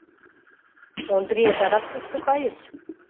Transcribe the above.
Ондриет адак кушко кайыш?